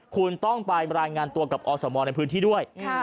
คุณต้องไปรายงานตัวกับอสมในพื้นที่ด้วย